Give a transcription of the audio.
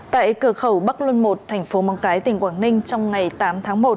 tại cửa khẩu bắc luân một thành phố măng cái tỉnh quảng ninh trong ngày tám tháng một